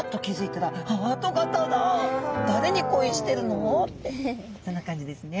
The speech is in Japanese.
誰に恋してるの？ってそんな感じですね。